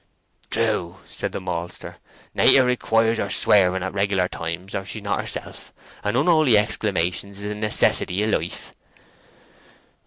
"True," said the maltster. "Nater requires her swearing at the regular times, or she's not herself; and unholy exclamations is a necessity of life."